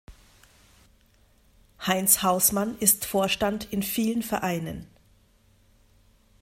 Heinz Hausmann ist Vorstand in vielen Vereinen.